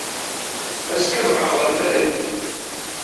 Azekka ad ruḥeɣ ɣer Paris.